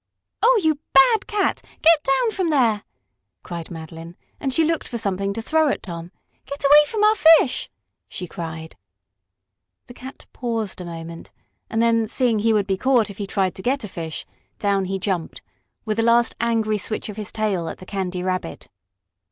"Oh, you bad cat, get down from there!" cried Madeline, and she looked for something to throw at Tom. "Get away from our fish!" she cried. The cat paused a moment, and then, seeing he would be caught if he tried to get a fish, down he jumped, with a last, angry switch of his tail at the Candy Rabbit.